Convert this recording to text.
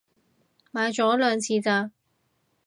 買咗兩次咋